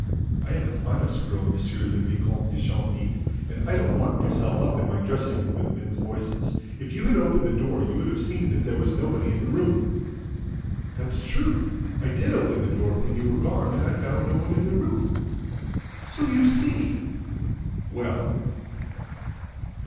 I am an honest girl, M. le Vicomte de Chagny, and I don't lock myself up in my dressing room with men's voices. If you had opened the door, you would have seen that there was nobody in the room!" "That's true! I did open the door, when you were gone, and I found no one in the room." "So you see! ... Well?"